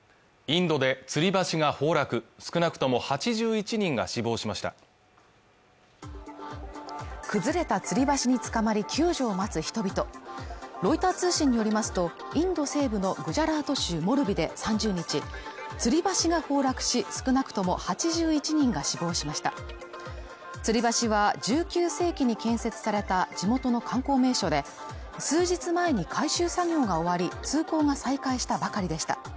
インドでつり橋が崩落少なくとも８１人が死亡しました崩れた吊り橋につかまり救助を待つ人々ロイター通信によりますとインド西部のグジャラート州モルビで３０日つり橋が崩落し少なくとも８１人が死亡しましたつり橋は１９世紀に建設された地元の観光名所で数日前に改修作業が終わり通行が再開したばかりでした